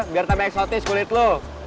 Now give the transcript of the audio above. biar tambah eksotis kulit lo